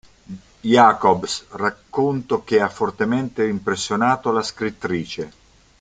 Jacobs, racconto che ha fortemente impressionato la scrittrice.